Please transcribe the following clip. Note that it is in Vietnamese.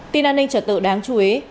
tin an ninh trở tự đáng chú ý